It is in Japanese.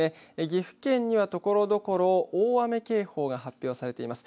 岐阜県では、ところどころ大雨警報が発表されています。